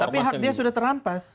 tapi dia sudah terampas